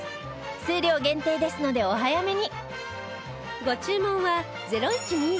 数量限定ですのでお早めに